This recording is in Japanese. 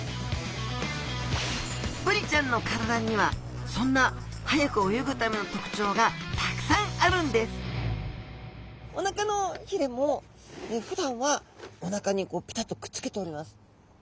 ブリちゃんの体にはそんな速く泳ぐための特徴がたくさんあるんですおなかのひれもふだんはおなかにピタッとくっつけております。